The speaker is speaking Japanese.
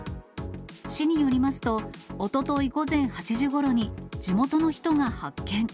市によりますと、おととい午前８時ごろに地元の人が発見。